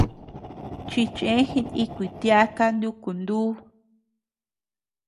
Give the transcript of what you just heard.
Chichee jinikuy tiaka nuku nduu.